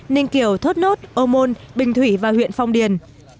ninh kiều thốt nốt ô môn bình thủy và huyện phong điền